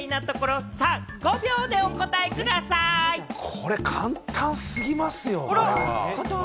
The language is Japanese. これ、簡単すぎますよ。